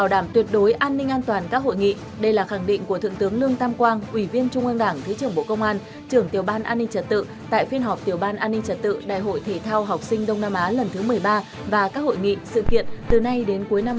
tuyệt đối an ninh an toàn các hội nghị đây là khẳng định của thượng tướng lương tam quang ủy viên trung ương đảng thứ trưởng bộ công an trưởng tiểu ban an ninh trật tự tại phiên họp tiểu ban an ninh trật tự đại hội thể thao học sinh đông nam á lần thứ một mươi ba và các hội nghị sự kiện từ nay đến cuối năm hai nghìn hai mươi